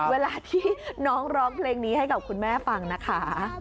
เวลาที่น้องร้องเพลงนี้ให้กับคุณแม่ฟังนะคะ